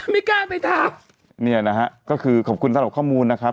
ไม่กล้าไปทำเนี่ยนะฮะก็คือขอบคุณสำหรับข้อมูลนะครับ